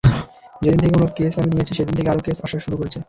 যেদিন থেকে ওনার কেস আমি নিয়েছি সেদিন থেকে আরো কেস আসা শুরু করছে।